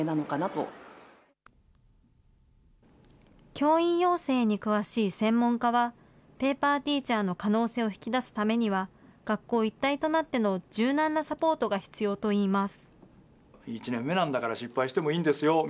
教員養成に詳しい専門家は、ペーパーティーチャーの可能性を引き出すためには、学校一体となっての柔軟なサポートが必要といいます。